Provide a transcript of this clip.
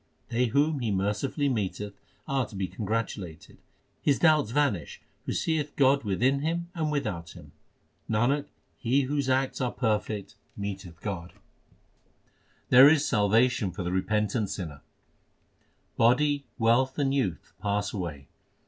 They whom He mercifully meeteth are to be congratulated. His doubts vanish who seeth God within him and without him. Nanak, he whose acts are perfect meeteth God. 396 THE SIKH RELIGION There is salvation for the repentant sinner : Body, wealth, and youth pass away.